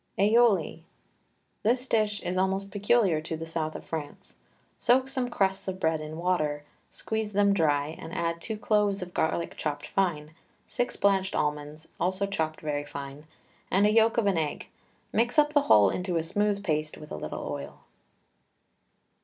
AYOLI. This is a dish almost peculiar to the South of France. Soak some crusts of bread in water, squeeze them dry, and add two cloves of garlic chopped fine, six blanched almonds, also chopped very fine, and a yolk of an egg; mix up the whole into a smooth paste with a little oil.